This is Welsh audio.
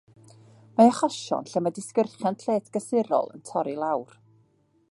Mae achosion lle mae disgyrchiant lled-glasurol yn torri i lawr.